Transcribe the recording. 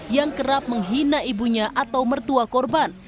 yang kerap menghina ibunya atau mertua korban